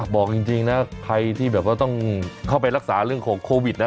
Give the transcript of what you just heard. บอกจริงนะใครที่แบบว่าต้องเข้าไปรักษาเรื่องของโควิดนะ